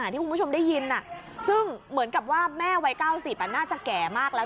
ที่คุณผู้ชมได้ยินซึ่งเหมือนกับว่าแม่วัย๙๐น่าจะแก่มากแล้ว